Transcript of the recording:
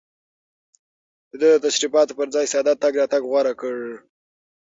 ده د تشريفاتو پر ځای ساده تګ راتګ غوره کړ.